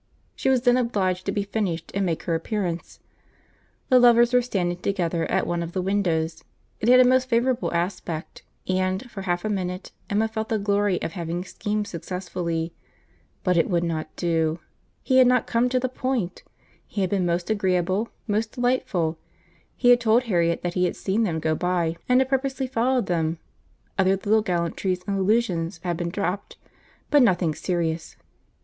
She was then obliged to be finished, and make her appearance. The lovers were standing together at one of the windows. It had a most favourable aspect; and, for half a minute, Emma felt the glory of having schemed successfully. But it would not do; he had not come to the point. He had been most agreeable, most delightful; he had told Harriet that he had seen them go by, and had purposely followed them; other little gallantries and allusions had been dropt, but nothing serious.